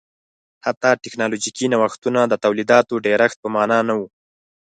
حتی ټکنالوژیکي نوښتونه د تولیداتو ډېرښت په معنا نه و